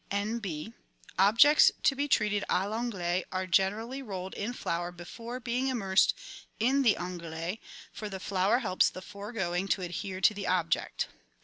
N.B. — Objects to be treated a I'anglaise are generally rolled in flour before being immersed in the anglaise, for the flour helps the foregoing to adhere to the object.